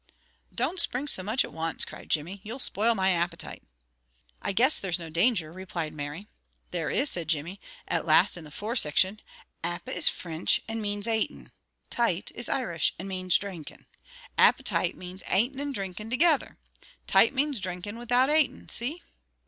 "Don't spring so much at wance!" cried Jimmy, "you'll spoil my appetite." "I guess there's no danger," replied Mary. "There is," said Jimmy. "At laste in the fore siction. 'Appe' is Frinch, and manes atin'. 'Tite' is Irish, and manes drinkin'. Appetite manes atin' and drinkin' togither. 'Tite' manes drinkin' without atin', see?"